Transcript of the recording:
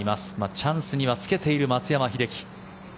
チャンスにはつけている松山英樹。